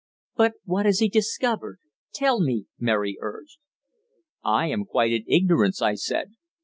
"But what has he discovered? Tell me," Mary urged. "I am quite in ignorance," I said.